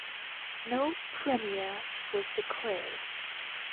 No Premier was declared.